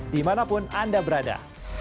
di manapun anda berada